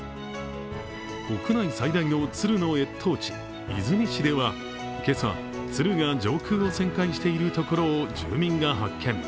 国内最大の鶴の越冬地、出水市では今朝、鶴が上空を旋回しているところを住民が発見。